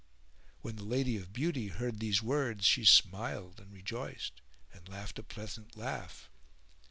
When the Lady of Beauty heard these words she smiled and rejoiced and laughed a pleasant laugh.